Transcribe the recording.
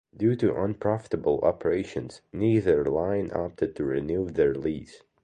Due to unprofitable operations, neither line opted to renew their lease.